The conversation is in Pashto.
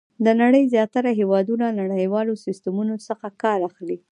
د نړۍ زیاتره هېوادونه له نړیوالو سیسټمونو څخه کار اخلي.